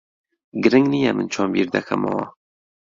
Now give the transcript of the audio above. گرنگ نییە من چۆن بیر دەکەمەوە.